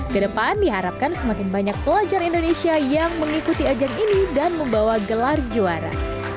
kedepan diharapkan semakin banyak pelajar indonesia yang mengikuti ajang ini dan membawa gelar juara